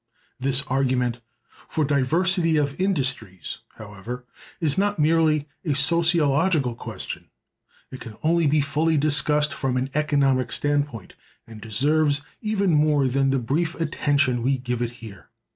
This argument for "diversity of industries," however, is not merely a sociological question; it can only be fully discussed from an economic stand point, and deserves even more than the brief attention we can give it here.